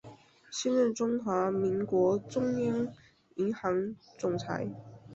现任中华民国中央银行总裁。